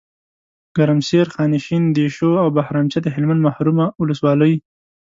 ګرمسیر، خانشین، دیشو او بهرامچه دهلمند محرومه ولسوالۍ